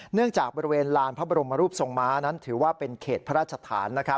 จากบริเวณลานพระบรมรูปทรงม้านั้นถือว่าเป็นเขตพระราชฐาน